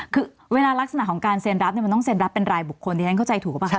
คือเวลารักษณะของการเซ็นรับเนี่ยมันต้องเซ็นรับเป็นรายบุคคลที่ฉันเข้าใจถูกหรือเปล่าค